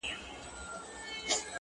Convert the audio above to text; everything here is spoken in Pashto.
څوك به تاو كړي د بابا بګړۍ له سره-